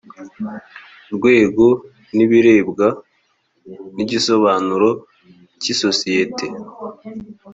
rwego ntibirebwa n igisobanuro cy isosiyete